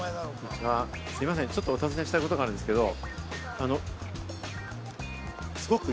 すみません、ちょっとお尋ねしたいことがあるんですけど。